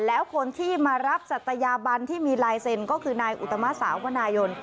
แล้วคนที่มารับศัตยาบันที่มีลายเซ็นต์ก็คือนายอุตมะสาวนายน